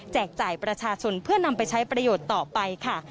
จ่ายประชาชนเพื่อนำไปใช้ประโยชน์ต่อไปค่ะ